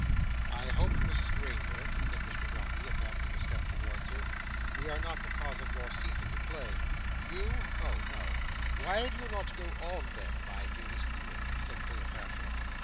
"I hope, Mrs Granger," said Mr Dombey, advancing a step towards her, "we are not the cause of your ceasing to play?" "You! oh no!" "Why do you not go on then, my dearest Edith?" said Cleopatra.